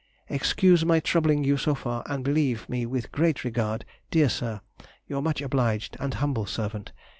Excuse my troubling you so far, and believe me with great regard, dear Sir, Your much obliged and humble servant, C.